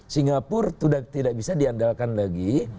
singapura sudah tidak bisa diandalkan lagi